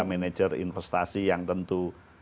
manajer investasi yang tentu